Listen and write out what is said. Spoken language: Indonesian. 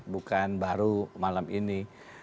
bukan baru malam ini